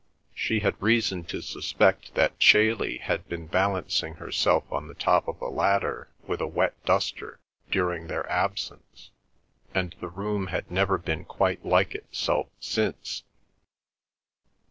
She had reason to suspect that Chailey had been balancing herself on the top of a ladder with a wet duster during their absence, and the room had never been quite like itself since.